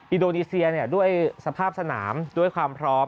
อินโดนีเซียด้วยสภาพสนามด้วยความพร้อม